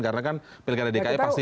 karena kan pilihan dki pasti